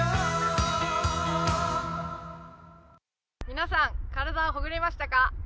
皆さん、体はほぐれましたか？